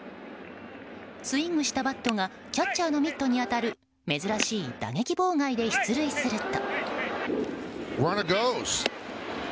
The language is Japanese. スイングしたバットがキャッチャーのミットに当たる珍しい打撃妨害で出塁すると。